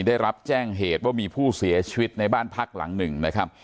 ได้รับแจ้งเหตุว่ามีผู้เสียชีวิตในบ้านพักหลังหนึ่งนะครับ